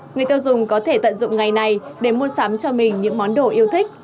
người tiêu dùng có thể tận dụng ngày này để mua sắm cho mình những món đồ yêu thích